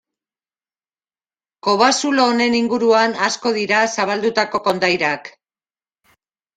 Kobazulo honen inguruan asko dira zabaldutako kondairak.